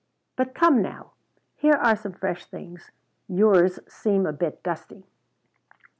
But come now! Here are some fresh things yours seem a bit dusty."